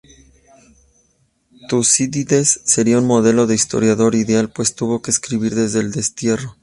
Tucídides sería un modelo de historiador ideal pues tuvo que escribir desde el destierro.